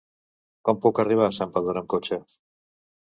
Com puc arribar a Santpedor amb cotxe?